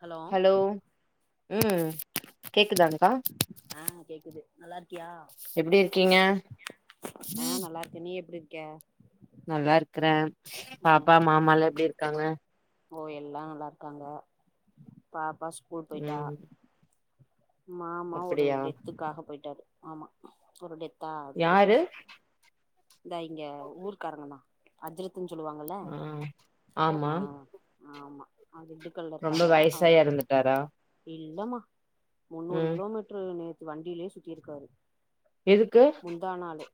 Hello உம் கேக்குதான்க்கா நல்லாருக் கியா ஆஹ் நல்லா இருக்க நீ எப்டி இருக் க நல்லா இருக்கற பாப்பா மாமால்லா எப்டி இருக்காங்க ஓ எல்லா நல்லா இருக்காங்க பாப் பா ஸ்கூல் போய்ட்டா ம் மாமா ஒரு அப்டியா டெத்துக்காக போயிட்டாரு ஆமா ஒரு டெத் தா அதுக் யாரு போய்டாரு தா இங்க ஊர்க்காரங்கதா அஜ்ரித் த்துன்னு சொல்லுவாங்கல்ல ஆ ஆமா ஆஹ் ஆமா அது திண்டுக்கல்ல ரொம்ப வயசாயு எறந்துட்டாரா இல்லம்மா முன்னூறு ம் கிலோமீட்டரு நேத் வண்டியிலே சுத்திருக்காரு எதுக்கு முந்தா நாலு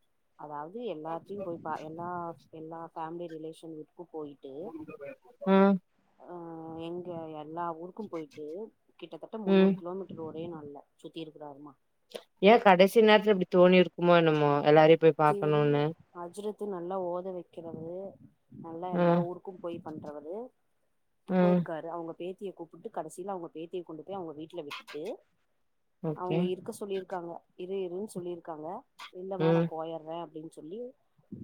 அதாவது எல்லாத்தையும் போய் பா எல்லா எல்லா ஃபேமிலி ரிலேஷன் வீட்டு உஹம் ஆ எங்க எல்லா ஊருக்கும் போயிட்டு கிட்டத்தட்ட ம் முன்னூறு ஒரே நாள்ல சுத்தி இருக்கிறாருமா ஏ கடைசி நேரத்துல இப்படி தோணிருக்குமோ என்னமோ எல்லாரையு போய் பாக்கணுனுு த்து நல்லா ஓத வெக்கிறது நல்லா எல்லா ம் ஊருக்கும் போயி பண்றவரு ம் போயிருக்காரு அவங்க பேத்தியை கூப்பிட்டு கடைசியில அவங்க பேத்தியை கொண்டு அவங்க வீட்டுல விட்டுட்டு ஓகே அவங்க இருக்க சொல்லிருக்காங்க இரு இருன்னு சொல்லியிருக்காங்க இல்லனாளே ம் அப்படின்னு சொல்லி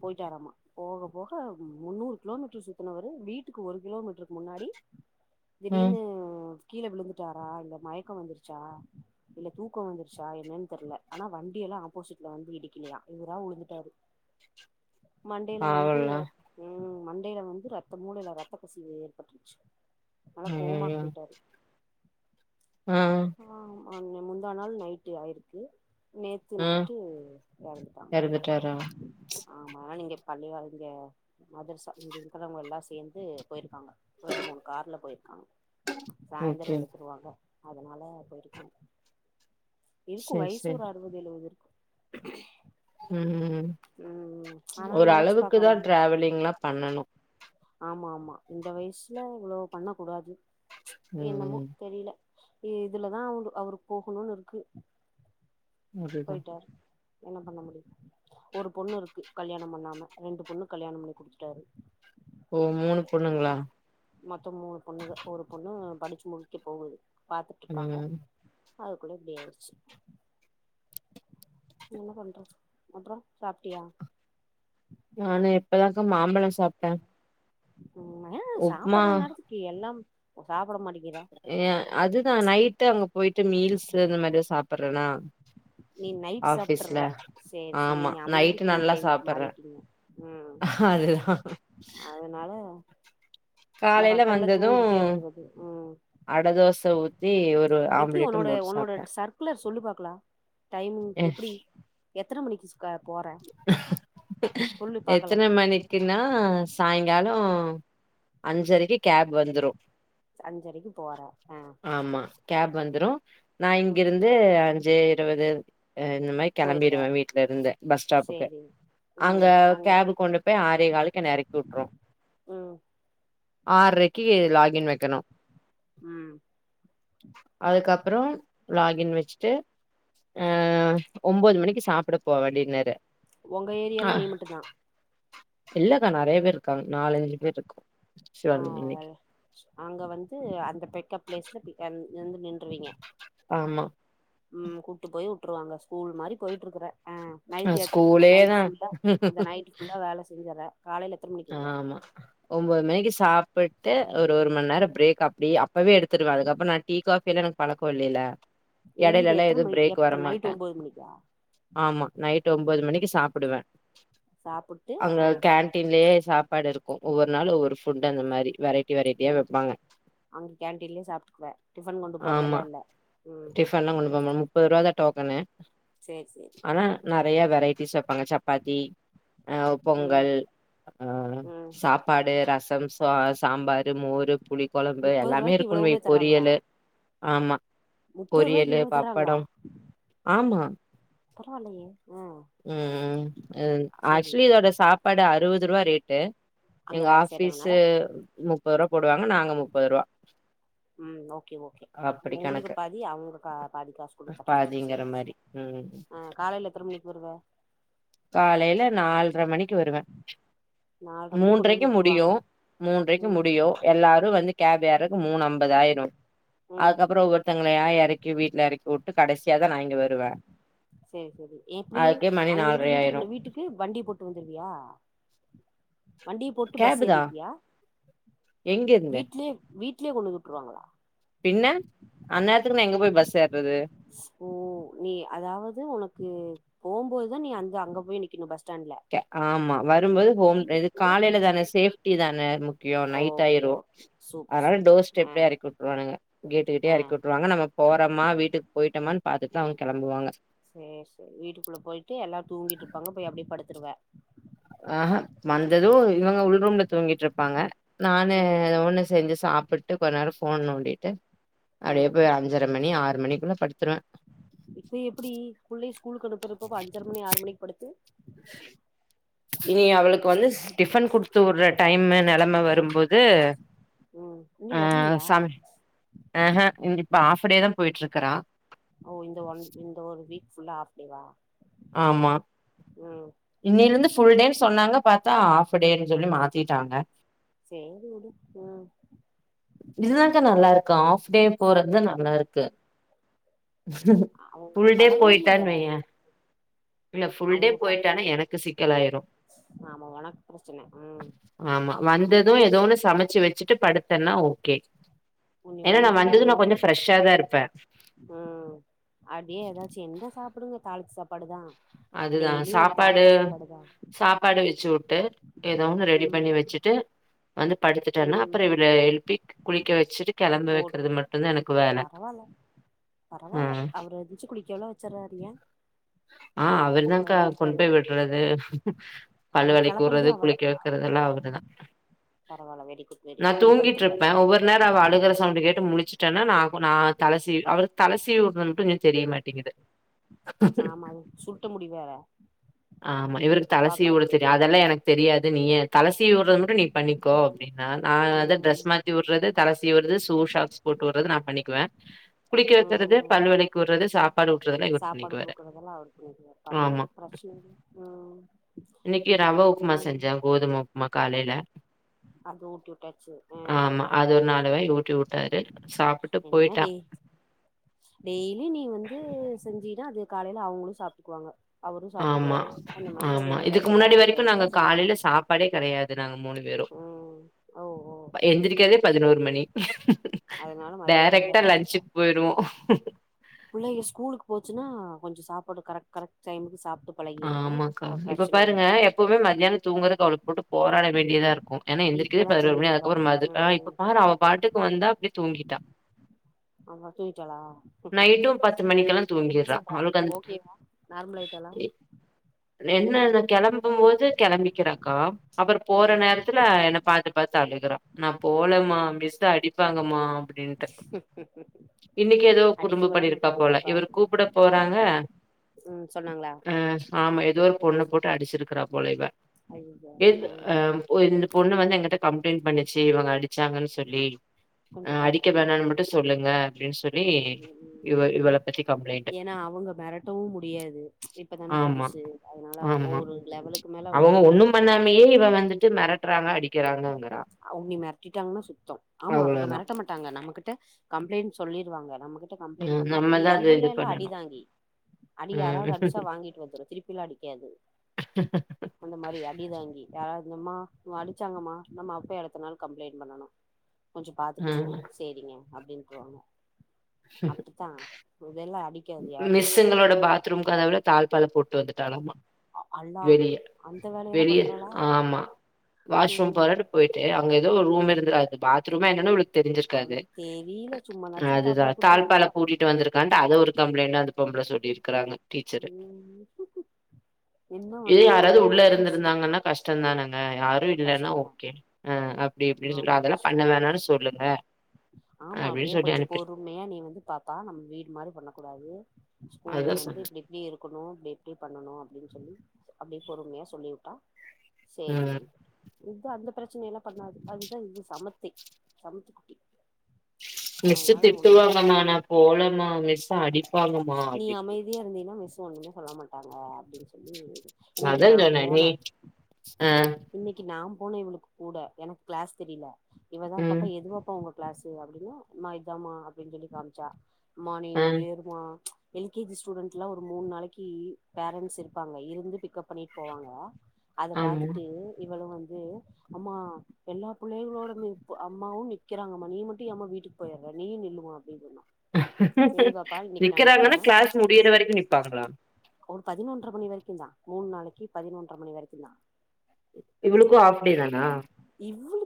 போயிட்டாராமா போக போக முன்னூறு கிலோமீட்டர் சுத்தினவரு வீட்டுக்கு ஒரு கிலோமீட்டருக்கு முன்னாடி ம் திடீர்ன்னு கீழே விழுந்துட்டாரா இல்லை மயக்கம் வந்துருச்சா இல்லை தூக்கம் வந்துருச்சா என்னன்னு தெரில ஆனால் வண்டியெல்லாம் ஆப்போசிட்டில் வந்து இடிக்கலையா இவரா உழுந்துட்டாரு மண்டைல வந்து பாவல்ல ரத்தம் ம் மண்டையில வந்து ரத்த மூளையில ரத்த கசிவு ஏற்பட்டுருச்சு நல்லா கோமாக்கு அய்யய்யோ போயிட்டாரு ஆ ம்ம் ஆ முந்தா நாள் நைட்டு ஆயிருக்கு நேத்து நைட்டு இறந்து இறந்துட்டாரா ஆமா ஆ இங்க பள்ளிவாசல் மதுர்சா இருக்கவங்க எல்லாம் சேர்ந்து போயிருக்காங்க ரெண்டு மூணு கார்ல போயி சாயந்தரம் ஓகே எடுத்துருவாங்க அதனால போயிருக்காங்க இருக்கும் சேரி வயசு சேரி அறுபது எழுவது இருக்கும் ம்ம்ம்ம் ம் ஆனா ஒரு நெனச்சு அளவுக்குதான் டிராவலிங் எலாம் பண்ணணும் ஆமாம்மா இந்த வயசுல இவ்வளவு பண்ண கூடாது என்னமோ ம் தெரியல இதுலதான் அவங்க அவருக்கு போகணும்னு இருக்கு அதுதா போயிட்டார் என்ன பண்ண முடியும் ஒரு பொண்ணு இருக்கு கல்யாணம் பண்ணாம ரெண்டு பொண்ணு கல்யாணம் பண்ணி குடுத்துட்டாரு ஓம் மூணு பொண்ணுங்களா மொத்தம் மூணு பொண்ணுக ஒரு பொண்ணு படுச்சு முடிக்க போகுது பாத்துட்ருக்காங்க ம் அதுகுள்ள இப்டி ஆய்டுச்சு என்ன பண்றது அப்றோம் சாப்ட்டியா நானும் இப்பதாக்கா மாம்பழம் சாப்ட்டேன் உ ஏ சாப்பட்ற நேரத்துக்கு எல்லாம் சாப்ட மாட்டேங்கிற ஏ அதுதான் நைட்டு அங்க போய்ட்டு மீல்ஸு அந்த மாரி சாப்பட்றே பிரணா நீ நைட் சாப்பிட்டுற சேர் சேர் ஆமா நீங்க நைட்டு அமெரிக்கன் நல்லா டைமுக்கு சாப்பட்றே மாறிட்டீங்க உம் அதுதா அதனால காலைல மகல்ல வந்தது தூங்கிட்டே இருக்கறது உம் அட தோச ஊத்தி ஒரு எப்டி ஆம்லேட்டு உன்னோட போட்டு உன்னோட சாப்ட்டே சர்க்குலர் சொல்லு பாக்கலாம் டைமிங் எப்டி எத்தன மணிக்கு க போற சொல்லு பாக்கலா எத்தன மணிக்குன்னா சாங்காலம் அஞ்சரைக்கு கேப் வந்துடும் அஞ்சறைக்கு போற ஆஹ் ஆமா கேப் வந்துரும் நான் இங்கிருந்து ஜெ இருவது இந்த மாரி போயிருவ கிளம்பிற்வேன் வீ்ட்ல இருந்து பஸ் ஸ்டாப்புக்கு சேரி அங்க கேபு கொண்டு போய் ஆரே காலுக்கு என்ன எறக்கி விட்டுரும் ம் ஆறறைக்கு லாகின் வைக்கணும் ம் அதுக்கப் அப்புறம் லாகின் வச்சுட்டு அஹ் ஒன்பது மணிக்கு சாப்பிட போ வேண்டியது நேற உங்க ஏரியால நீ மட்டும் தான் இல்லக்கா நெறைய பேர் இருக்காங்க நாலஞ்சு பேர் இருக்கோம் ஆஹ் வெல் அங்க வந்து அந்த பிக்கப் பிளேஸ்ல பிக்கன் இருந்து நின்றுவீங்க ஆமா உம் கூட்டு போய் வுட்ருவாங்க ஸ்கூல் மாரி போய்ட்டுருக்குற ஆஹ் அ நைட்டு் எத்த நைட் ஸ்கூலேதா ஃபுல்லா அந்த நைட்டு ஃபுல்லா வேல செஞ்சற காலைல எத்தன மணிக்கு வருவ ஆமா ஒம்பொது மணிக்கி ஸ் சாப் புட்டு ஒரு ஒரு மண் நேரம் பிரேக் அப்டி அப்பவே எடுத்துருவே அதுக்கப்புறம் நான் டீ காஃபி எல்லா எனக்கு பழக்கம் இல்லேல எங்க எடைலல்லாம் எத்தன எதும் மணி பிரேக் வர எப்ப நைட் மாட்டேன் ஒம்போது மணிக்கா ஆமா நைட் ட்டு ஒம்பது மணிக்கு சாப்புடுவே சாப்புட்டு ஆஹ் ப்பே சாப்பாடு இருக்கும் ஒவ்வொரு நாளும் ஒவ்வொரு ஃபுட் அந்த மாறி வெரைட் உம் அங்க கேண்டீன்லயே சாப்ட்டுக்குவ டிஃபன் கொண்டு ஆமா போறதெல்லாம் இல்லை உம் டிஃபன்லா கொண்டு போமா முப்பது ருபா தா டோக்கனு ஆனா நெறைய வெரைட்டிஸ் அ பாங்க சப்பாத்தி ஆஹ் ம் பொங்கல் ஆஹ் ம் சாப்பாடு ரசம் பா சாம்பாரு மோரு புளி கொழம்பு முப்பது எல்லாமே ரூவாய்க்கு இருக்குன்னு வை இவ்வளவுமே தராங்களா பொரியலு ஆமா முப்பது ரூவாய்க்கு பொரியலு இவ்வளவு தராங்களா பப்படம் ஆமா பரவால்லயே உம் உம் சேரி ஆக்சுவலி இதோட சாப்பாடு அறுபது ருவா ரேட்டு அங்க எங்க வேல செய்றதுனால ஆஃபீசு முப்பது ருவா போடுவாங்க நாங்க முப்பது ருவா உம் ஓகே ஓகே உங்களுக்கு கணக்கு பாதி அவுங்க க பாதி காசு குடுத்தர்ராங்க பாதிங்கிற செரி செரி மாரி ம் ஆஹ் காலைல எத்தன மணிக்கு வருவ காலைல நால்ர மணிக்கு வருவேன் நால்ர மணிக்கு கொண்டு வந்து மூன்றைக்கு வுட்ருவாங்க முடியும் மூன்றைக்கு ம் முடியும் எல்லாரும் வந்து கேப் ஏறக்கு மூணு அம்பதாயிரும் ம் அதுக்கப்பறோ ஒவ்வொருத்தங்களயா எறக்கி வீட்டு்ல எறக்கி உட் கடசியா தா நா இங்க வருவே செரி செரி எப்டி அதுக்கே மணி அங்கிருந் ந்து நால்ரை ஆயிரு வீட்டுக்கு வீட்டுக்கு வண்டி போட்டு வந்துருவியா வண்டிய போட்டு பஸ் கேபு தா ஏறிருவயா எங்க இருந்து வீட்லே வீட் வீட்லயே கொண்டு வந்து விட்டுருவாங்களா பின்ன அந்நேரத்துக்கு நா எங்க போயி பஸ் ஏற ஸ் ஓ நீ அதாவது உனக்கு போம்போதுதா நீ அந் அங்க போய் நிக்கணு பஸ் ஸ்டாண்ட்ல ஓகே ஆமா வரும்போது ஹோம் வீட்டுக்கு இது போம்போது காலையில தானே வீட்லயே செபிட்டி தானே முக்கியம் நைட் ஓகே ஆயிரும் ஓகே சூப்பர் அதனால சூப்பர் டோர் ஆ ஸ்டெப்பே எறக்கி விட்டுருவானுங்க கேட்டு கிட்டேயே ஆ எறக்கி விட்டுருவாங்க நம்ம போறோம்மா வீட்டுக்கு போயிட்டோமனு பாத்துடுதான் அவங்க கிளம்புவாங்க சேரி சேரி வீட்டுக்குள்ள போயிட்டு எல்லா தூங்கிட்டு இருப்பாங்க போய் அப்படியெ படுத்துருவ ஆ ஹா வந்ததும் இவங்க உள் ரூம்ல தூங்கிட்டு இருப்பாங்க நானு ம் ஒண்ணு செஞ்சு சாப்புட்டு கொஞ்ச நேரொ ஃபோன் நோண்டிட்டு அப்டியே போய் அஞ்சர மணி ஆறு மணிக்குள்ள படுத்துருவ இப்போ எப்டி புள்ளயோ ஸ் கூக்கு அனுப்பறப்போ அப்ப அஞ்சர மணி ஆறு மணிக்கு படுத்து இனி அவளுக்கு வந்து டிஃபன் குடுத்து வுட்ற டைமு நெலம வரும்போது ம் இன்னு ஆ வரலையா சம ஆ ஹ இந் இப்ப ஆஃப் டேதா போயிட்டு இருக்றா ஓ இந்த ஒன் இந்த ஒன் வீக் ஃபுல்லா ஆஃப் டேவா ஆமா ம் இன்னிலே இருந்து ஃபுல்டே சொன்னாங்க பா ஆ ஆஃப் டேன்னு சொல்லி மாத்திட்டாங்க சேரி விடு ம் இதுதாங்க்க அப்றோ நல்லா இருக்கு ஆப்டே போறது தான் நல்லா இருக்கு அவங்க ஃபுல்டே பழகணும்ல போயிட்டான் வையே இல்ல ஃபுல்டே அவங்கப்பா போயிட்டானா எனக்கு சிக்கலாயிரும் ஆமா உனக்கு பிரச்சன ம் ஆமா வந்ததும் ஏதோ ஓன்னு சமைச்சு வெச்சுட்டு படுத்தேன்னா ஓகே உ இனி ஏன்னா நா வந்து நீ வந்தது நா வந்து கொஞ்சோ ஃப்ரெஷ்ஷா தா இருப்பே உம் அதே ஏதாச்சும் என்ன சாப்ப எப்பயுமே தாளிச்ச சாப்பாடு தா அதுதான் சாப்பாடு சாப்பாடு வச்சு விட்டு ஏதோ ஒன்னு ரெடி ம் பண்ணி வச்சுட்டு வந்து படுத்துட்டேனா ம் அப்புறம் இவரை எழுப்பி குளிக்க வச்சுட்டு கிளம்ப போட்ரு வைக்கறது மட்டும் தான் எனக்கு வேலை பரவால்ல பரவால்ல உம் அவரு எந்திச்சு குளிக்கவெல்லா வச்சர்றாரு ஏ ஆ உங்க அவருதாங்க்கா கொண் வீட்டுக்காரு போய் விட்றது பல்லு அவரு கெளப்புறதே வெளைக்கூர்றது அவ குளிக்க வக்கறதெலா அவருதா பரவால்ல வெரி குட் வெரி நா குட் நீ படுத்துருவ தூங்கிட்ருப்ப ஒவ்வொரு நேரோ அவ அழுகுற சவுண்டு கேட்டு முழிச் சொன்னா நா நா தல சீவி அவளுக்கு தல சீவி வுடுற மட்டு இன்னு தெரியமாட்டேங்கிது ஆமா அது சுருட்ட முடி வேற ஆமா இவருக்கு தல சீவி உடத் பாப்பாக்கு தெரியு அதெல்லா எனக்கு தெரியாது நீயே தல சீவிடுறது மட்டு நீ பண்ணிக்கோ அப்படின்னா நா அத ட்ரெஸ் ம் மாத்தி உட்றது தல சீவி உட்றது ஷூ ஷாக்ஸ் போட்டு விட்றது நா பண்ணிக்குவே குளிக்க ம் வக்கிறது ம் பல் வெளக்கி வுட்றது சாப்பாடு ஊட்டுறதெல்லா இவர் பண்ணிக்குவாரு அதெல்லா அவருக் தெரியு ஆமா. பரவால்ல [unintelligible] உம் இன்னைக்கு ரவ உப்புமா உம் செஞ்சேன். கோதும உப்புமா காலையில விட்டாச்சு ஆ ஆமா அது ஒரு நாலு வாய் ஊட்டி உட்டாரு என்னடி டெய்லி நீ வந்து செஞ்சீன்னா அது எப் காலையில அவங்களு சாப்ட்டுக்குவாங்க அவரு ஆமா சாப்ட்டுக்குவாரு அந்த மாரி ஒரு ஆமா இதுக்கு வெரைட்டி முன்னாடி வெரைட்டி வரைக்கு ரைஸ் தா நாங்க செய்ய முடியு காலையில சாப்பாடே கெகடையாது நாங்க மூணு பேரு ம் ஓ ஓ எந்திரிக்குறதே பதினோரு மணி அதனால மதியானந்தா டைரக்ட்டா டேரெக்ட்டா லஞ்சுக்கு போயிருவோம். புள்ளைங்க ஸ்கூலுக்கு போச்சுன்னா கொஞ்சொ சாப் போடு கரெக் கரெக்ட் டைமுக்கு சாப் ஆமாக்கா இப்ப பாருங்க எப்பவுமே மத்யானம் தூங்குறக்கு அவளுக் போட்டு போராட வேண்டியதா இருக்கு ஏனா எந்திரிக்குதே இப்பல்லா பதினோரு மணி தூங்கிருவா அதுக்கப்பறொ மது ஆஹ் ம் இப்பப் பாரு அவ பாட்டுக்கு வந்தா அப்பிடியே தூங்கிட்டா ஆஹா தூங்கிட்டாளா நைட்டும் பத்து மணிக்கெல்லா என்ன தூங்கிறா சொல்றா அவளுக்கு அந்த ஓகேவா நார்மல் ஆயிட்டாளா என்ன இந்த கெளம்ப் பும்போது கெளம்பிக்கிறாக்கா அப்பறொ போற ம் நேரத்துல என்னப் பாத்து பாத்து அழுகுறா நா போலம்மா ம் மிஸ் அடிப்பாங்கமா அப்பிடின்ட்டு இன்னைக்கு எதோ அடிக்க குறும்பு விழ பண்ணிருக்காப் மாட்டாங்க போல பாப்பா இவரு கூப்புடப் போறாங்க ம் சொன்னாங்களா ஆ ஆமா எதோ ஒரு பொண்ணப் போட்டு அடிச்சிருக் க்கறா போல இவ ஐயயோ எதுத் ம் அஹ் ஓ இந்த பொண்ணு வந்து எங்கிட்ட கம்ப்ளைண்ட் பண்ணிச்சு இவங்க அடிச்சாங்கன்னு சொல்லி அ கொஞ்சோ அடிக்க பாத்துக்கங்க வேணான்னு மட்டும் சொல்லுங்க அப்படின்னு சொல்லி இவ- இவளை பத்தி கம்ப்ளைண்ட்டு ஏன்னா அவங்க மிரட்டவு முடியாது இப்பதான ஆமா புதுசு அதனால ஆமா ஒரு ப்ச் லெவலுக்கு மேல அவ அவங்கனால மிரட் ஒண்ணும் பண்ணாமயே இவ வந்துட்டு மெரட் ரா மாரி அடிக் அவங்க நீ மெரட்டிட்டாங்கன்னா சுத்தோம் ஆமா அவங்க அவ்ளோதா மெரட்ட மாட்டாங்க நம்மகிட்ட கம்ப்ளைண்ட் சொல்லிருவாங்க நமக் கம்ப்ளெய்ன்ட் ம் பண்ணா ஈ நம்மதா அது எம்புள்ள இது எல்லா அடி பண்ணணு தாங்கி. அடி யாராவது ம் அடிச்சா வாங்கிட்டு வந்துரும் திருப்பியெல்லாம் அடிக்காது. அந்த மாரி அடி தாங்கி யாராவத் எம்மா இவ அடிக் அடிச்சாங்கம்மா நம்ம அப்பயு அடுத்த நாள் கம்ப்ளெய்ண்ட் பண்ணணும் கொஞ்சோ பாத்துக்குங்க ம் சேரிங்க அப்பிடீன்ருவாங்க அப்டித்தான் இதெல்லாம் அடி மிஸ்சுங்ளோட பாத்ரூம் கதவுல தாழ் தாழ்பால போட்டு டு வந்துட்டாலாமா அல்லா வெளிய அந்த வேலையெல்லா வெளிய பண்றாளா ஆமா வாஷ்ரூம் ம் போறேன்னு போயிட்டு அங்க ஏதோ ரூம் இருந்து அது பா த்துருமே என்னனு அவளுக் தெரிஞ்சிருக்காது, அவளுக்கு தெரில சும்மானாச்சு அதுதா தாப்பால் போட்டு தாழ்ப்பாழ வந்துப்பா பூட்டிட்டு வந்திருக்கான்ட்டு அத ஒரு அது பொம்பள சொல்லிருக்கறாங்க டீச்சரு ம் என்ன இதே பண்றது யாராது உள்ள இருந்துருந்தாங்கனா கஷ்டந்தானங் ஆ கஷ்டந்தா அப்டி இப்டின்னு சொல்லி ஆமா அதெல்லா பண்ண கஷ்டந்தா வேணான்னு கஷ்ட சொல்லுங்க ஆமா அப்டின்னு அப்டியே சொல்லி கொஞ்ச அனுப்பிரு பொறுமையா நீ வந்து பாத்தா நம் வீடு மாரி பண்ணனு கூடாது ஸ்கூல்ல அதுதா வந்து சொன்னே இப்டி இப்டி இருக்கணு இப்டி இப்டி பண்ணணு அப்டின் சொல்லி அப்டியே பொறுமையா சொல்லிவுட்டா சேரிமா ம் இது அந்த பிரச்சனையெல்லா பண்ணாது அதுதா இது சமத்தி சமத்துக்குட்டி மிஸ்சு திட்டுவாங்கமா நா போலமா மிஸ் அடிப்பாங்கம்மா நீ அப்டின்னு அமைதியா இருந்தினா மிஸ் ஒன்னு சொல்ல மாட்டாங்க அப்டின் சொல்லி நா இன்னைக்கு அதா சொன்ன போன நீ ஆ போன இவுளுக்கு கூட எனக்கு க்ளாஸ் தெரில இவதா பாப்பா ம் எது பாப்பா உங்க க்ளாஸ்சு அப்டின ம்மா இதாமா அப்டின் சொல்லி காமிச்சா ஆ மானிங் இருமா எல் கே ஜி ஸ்டூடண்ட்லா ஒரு மூனு நாளக்கி பேரன்ட்ஸ் இருப்பாங்க இருந்து பிக்கப் பண்ணிட் போவாங்க அத ஆமா பாத்துட்டு இவளலு வந் து அம்மா எல்லா புள்ளைகளோட நிப் அம்மாவும் நிக்கறாங்கம்மா நீ மட்டு ஏம்மா வீட்டுக்கு போயர்ற நீயு நில்லுமா அப்டினு சொன்னா ஹ ஹ சேரி பாப்பா இன்னைக்கு நா நிக்கிறே நிக்கிறாங்கனா க்ளாஸ் முடியற வரைக்கு நிப்பாங்ளா ஒரு பதினொன்றர மணி வரைக்குந்தா மூண்ணாளைக்கு பதினொன்றர மணி வரைக்குந்தா இவளுக்கு ஆப் டே தானா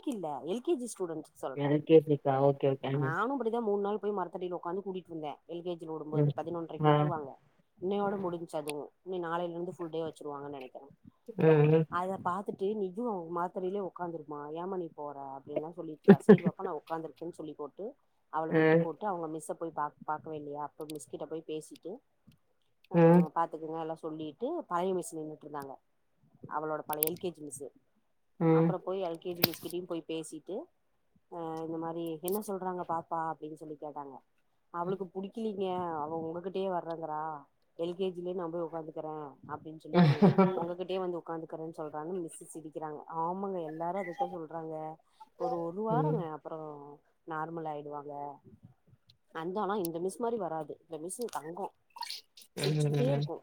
கில்ல எல் கே ஜி ஸ் ஸ்டூடண்ட் சொல்ற எனக்கே சிக்கா ஓகே ஓகே ஆ நானு அப்டிதா மூண்நாள் போய் மரத்தடில உக்காந்து கூட்டிட் ந்த எல் கே ஜில வுடும்போது ம் பதினொன்ரைக்கு ஆ விட்ருவாங்க ம் இன்னையோட முடிஞ்சு அதுவு இனி நாளைலுந்து ஃபுல் டே வச்சுருவாங்க நெனைக் அ ஹு துட்டு நீயு மாத்ரைலியு உக்காந்துரும்மா ஏமா நீ போற எல்லா சொல்லி சசிவ் அப்ப நா உக்காந்துர் இன்சுலி போட்டு அவள விட்டு போட்டு அவ்ங்க மிஸ்ஸப் போய் பாக் பாக்கவே இல்லையா அப்ப மிஸ்கிட்ட போய் பேசிட்டு ஆ ம் பாத்துக்கங்க எல்லா சொல்லிட்டு பழைய மிஸ் நின்னுட்டு இருந்தாங்க அவளோட பழைய எல் கே ஜி மிஸ் ம் அப்பறம் போய் எல் கே ஜி மிஸ்கிட்டயு போய் பேசிட்டு அ இந்த மாரி என்ன சொல்றாங்க பாப்பா அப்படின் சொல்லி கேட்டாங்க அவளுக்கு புடிக்ளி ஏ அவ உங்ககிட்டயே வர்றங்கறா எல் கே ஜி லே நா போய் உக்காந்துக்குறே அப்டின் ம் சொல்லி உங்ககிட்டயே வந்து உக்காந்து க்குரே சொல்றாங்க மிஸ்ஸு சிரிக்கிறாங்க ஆமாங்க எல்லாரு அதுத்தா சொல்றாங்க ஒரு ஒரு ம் வாரோங்க அப்புறோ நார்மல் ஆய்டுவாங்க அந்தானா இந்த மிஸ் மாரி வராது இந்த மிஸ்சு தங்கோ சிரிச்சுக்குட்டே ம் ம். இருக்கு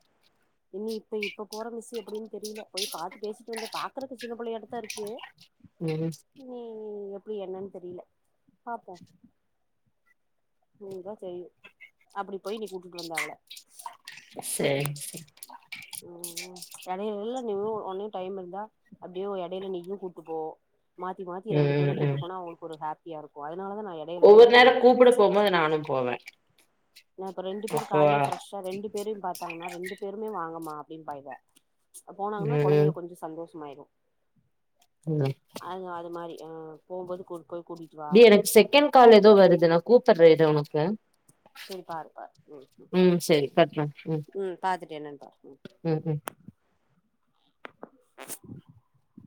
இனி இப்பய் இப்ப போற மிஸ் எப் ப்டும் தெரில போய் பாத்து பேசிட்டு வந்து பாக்கறக்கு சின்ன புள்ளையாட்டோ தா இர்க்கு ம் நீ எப் இ என்னன் தெரில பாப்போ பூரா செய்யு அப்படி போய் நீ கூட்டுட்டு வந்த அவ்ள சர் செ எடைய் இல்ல நிவ்வு ஒனே டைம் இருந்தா அப்டியே உ எடைய்ல நீயு கூட்டு போ மாத்தி மாத்தி ரெண்டு பேரு ம் கூட்டு ம் போனா அவ்ங்ளுக் ஒரு ஹாப் யா இர்க்கு அத் னாலாதா நா எடைய் எடைய்ல ஒவ்வொரு நேரோ போய்ர்வே கூப்புட போம்போது நானு போவே நா இப்ப ரெண்டு பேரு அப்போ காலைல ஃப்ரெஷ்ஷா ரெண்டு பேரயு பாத்தாங்கனா ரெண்டு பேருமே வாங்கமா அப்டின் பா இவ போனாங்கன்னா ம் கொழந்தைங்க கொஞ்சோ சந்தோஷ் ம் [unintelligible] அது அது மாரி யாங் போம்போது குருக்கு டி எனக்கு செகண்ட் கால் எதோ வருது நா கூப் பர்ற இரு உனக்கு சரி பாரு பாரு ம் ம் சரி கட் பண்ணு ம் பாத்துட்டே என்னனு பாரு ம் [inaudible]